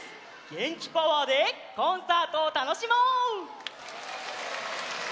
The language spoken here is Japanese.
げんきパワーでコンサートをたのしもう！